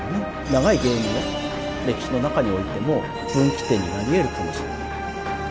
長いゲームの歴史の中においても分岐点になりえるかもしれない。